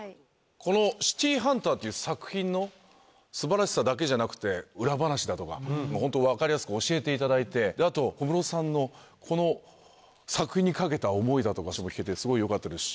この『シティーハンター』という作品の素晴らしさだけじゃなくて裏話だとかホント分かりやすく教えていただいてあと小室さんのこの作品に懸けた思いだとかそれも聞けてすごいよかったですし。